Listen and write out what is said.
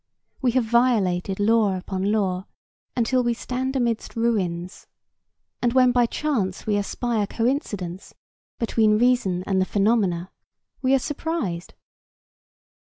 We have violated law upon law until we stand amidst ruins, and when by chance we espy a coincidence between reason and the phenomena, we are surprised.